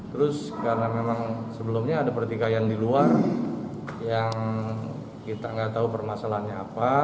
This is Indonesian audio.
terus karena memang sebelumnya ada pertikaian di luar yang kita nggak tahu permasalahannya apa